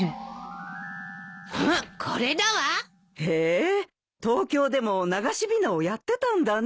うんこれだわ！へえー東京でも流しびなをやってたんだね。